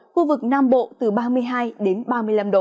khu vực nam bộ từ ba mươi hai ba mươi năm độ